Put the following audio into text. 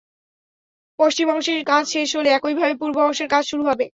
পশ্চিম অংশের কাজ শেষে হলে একইভাবে পূর্ব অংশের কাজ শুরু হবে।